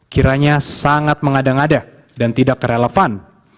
kiranya sangat mengada ngada dan tidak kerelevan